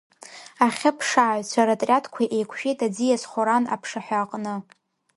Ахьыԥшааҩцәа ротриадқәа еиқәшәеит аӡиас Хоран аԥшаҳәа аҟны.